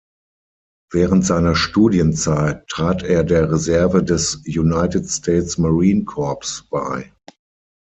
Während seiner Studienzeit trat er der Reserve des United States Marine Corps bei.